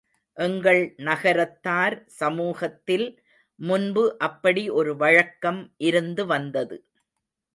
எங்கள் நகரத்தார் சமூகத்தில் முன்பு அப்படி ஒரு வழக்கம் இருந்து வந்தது.